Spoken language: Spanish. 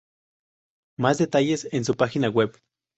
Más detalles en su página web.